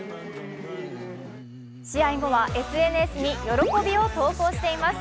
試合後はＳＮＳに喜びを投稿しています。